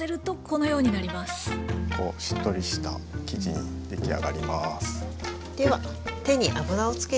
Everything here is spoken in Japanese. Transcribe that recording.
こうしっとりした生地に出来上がります。